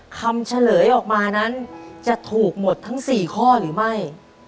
เฉลยออกมานั้นจะถูกหมดทั้ง๔ข้อหรือไม่